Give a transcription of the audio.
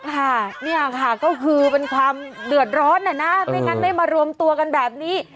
ค่ะเนี่ยค่ะก็คือเป็นความเดือดร้อนนะนะไม่งั้นไม่มารวมตัวกันแบบนี้